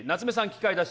器械出し